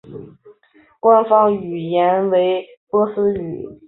官方语言为波斯语。